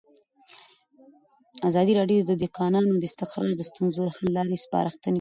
ازادي راډیو د د کانونو استخراج د ستونزو حل لارې سپارښتنې کړي.